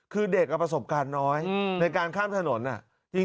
คือเด็กกับประสบการณ์น้อยในการข้ามถนน